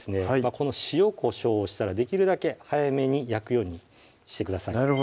この塩・こしょうをしたらできるだけ早めに焼くようにしてください